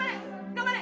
頑張れ！